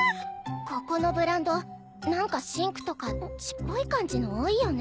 ここのブランド何か真紅とか血っぽい感じの多いよね。